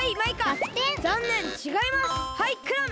はいクラム！